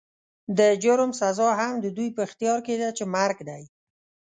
د جرم سزا هم د دوی په اختيار کې ده چې مرګ دی.